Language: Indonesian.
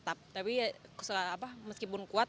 tapi ya meskipun kuat